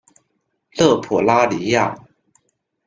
勒普拉尼亚。